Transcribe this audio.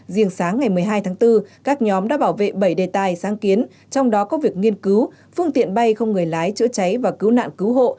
riêng sáng ngày một mươi hai tháng bốn các nhóm đã bảo vệ bảy đề tài sáng kiến trong đó có việc nghiên cứu phương tiện bay không người lái chữa cháy và cứu nạn cứu hộ